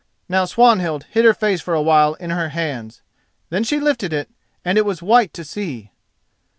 Now Swanhild hid her face for a while in her hands. Then she lifted it and it was white to see.